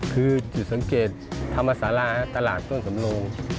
คืออยู่สังเกตภมศาลาตลาดต้นสำโล